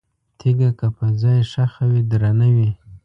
تیګه که په ځای ښخه وي، درنه وي؛